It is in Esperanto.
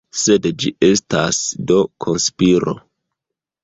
Sed ĝi estas do konspiro!